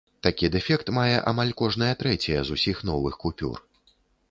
Такі дэфект мае амаль кожная трэцяя з усіх новых купюр.